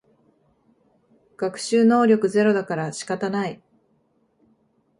学習能力ゼロだから仕方ない